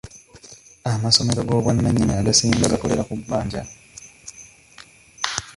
Amasomero g'obwannanyini agasinga gakolera ku bbanja.